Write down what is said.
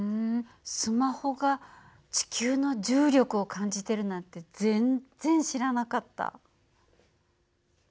スマホが地球の重力を感じてるなんて全然知らなかった。